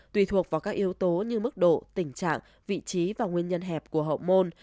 tùy thuộc vào các yếu tố như mức độ tình trạng vị trí và nguyên nhân hẹp của hậu môn